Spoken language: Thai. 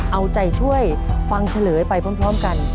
เอาใจช่วยฟังเฉลยไปพร้อมกัน